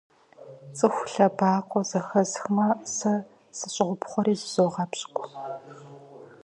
ЦӀыху лъэбакъуэ зэхэсхмэ, сэ сыщӀопхъуэри зызогъэпщкӀу.